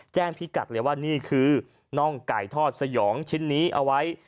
พิกัดเลยว่านี่คือน่องไก่ทอดสยองชิ้นนี้เอาไว้